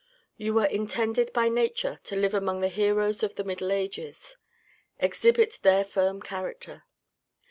You were intended by nature to live among the heroes of the middle ages ; exhibit their firm character.